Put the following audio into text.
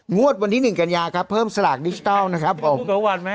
งวดวันนี้หนึ่งกันยาครับเพิ่มสลากดิจิทัลนะครับผม